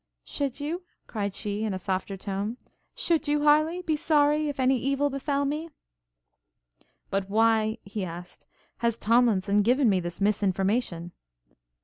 'Should you?' cried she in a softened tone; 'should you, Harleigh, be sorry if any evil befel me?' 'But why,' he asked, 'has Tomlinson given me this misinformation?'